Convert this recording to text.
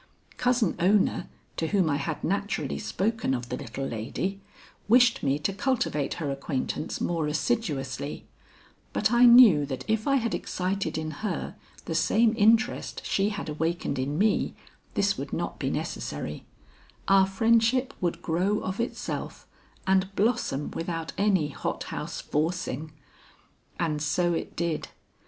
Cousin Ona to whom I had naturally spoken of the little lady, wished me to cultivate her acquaintance more assiduously, but I knew that if I had excited in her the same interest she had awakened in me, this would not be necessary; our friendship would grow of itself and blossom without any hot house forcing. And so it did.